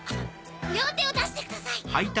両手を出してください。